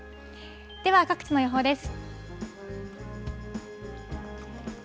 では、各地の予報です。